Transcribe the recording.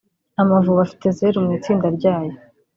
Amavubi afite zeru mu itsinda ryayo